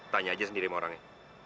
tanya aja sendiri sama orangnya